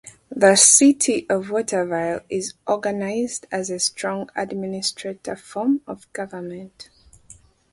The City of Waterville is organized as a Strong Administrator form of government.